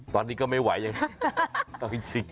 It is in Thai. ตอนนี้ก็ไม่ไหวอย่างนี้